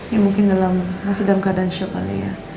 ya mungkin dalam sedang keadaan syok kali ya